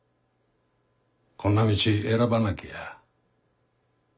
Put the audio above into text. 「こんな道選ばなけりゃ」。